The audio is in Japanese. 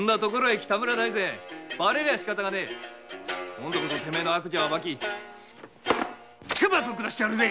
今度こそてめえの悪事を暴き天罰をくだしてやるぜ！